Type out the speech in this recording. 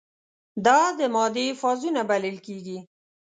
دا د مادې فازونه بلل کیږي.